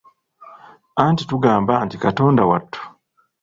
Anti tugamba nti Katonda wattu.